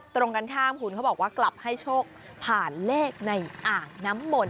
ตรงกันข้ามคุณเขาบอกว่ากลับให้โชคผ่านเลขในอ่างน้ำมนต